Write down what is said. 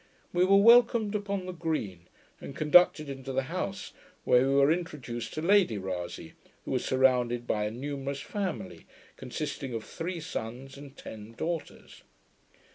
We were welcomed upon the green, and conducted into the house, where we were introduced to Lady Rasay, who was surrounded by a numerous family, consisting of three sons and ten daughters.